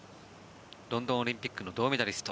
ロンドンオリンピックの銅メダリスト。